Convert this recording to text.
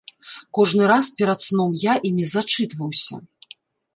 Кожны раз перад сном я імі зачытваўся.